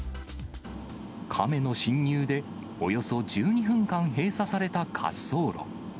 カメの侵入で、およそ１２分間閉鎖された滑走路。